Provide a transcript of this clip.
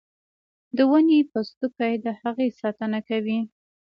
د ونې پوستکی د هغې ساتنه کوي